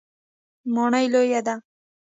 ماڼۍ لویه ده.